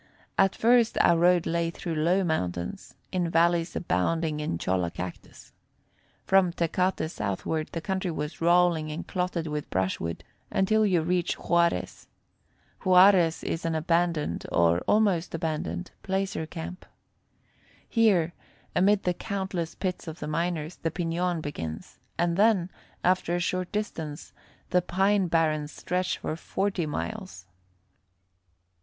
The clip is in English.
At first our road lay through low mountains, in valleys abounding in cholla cactus. From Tecate southward, the country was rolling and clotted with brushwood, until you reach Juarez. Juarez is an abandoned, or almost abandoned, placer camp. Here, amid the countless pits of the miners, the piñons begin, and then, after a short distance, the pine barrens stretch for forty miles.